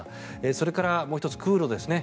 それから、もう１つ空路ですね。